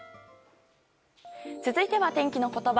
続いては天気のことば。